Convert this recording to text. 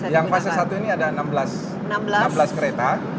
yang fase satu ini ada enam belas kereta